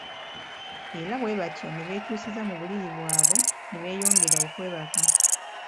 Era bwe batyo ne beekyusiza mu buliri bwabwe ne beeyongera okwebaka.